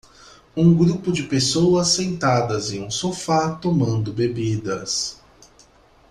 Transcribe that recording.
Um grupo de pessoas sentadas em um sofá tomando bebidas.